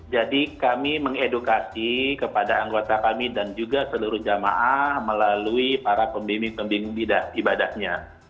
jadi kami mengedukasi kepada anggota kami dan juga seluruh jemaah melalui para pembimbing pembimbing ibadahnya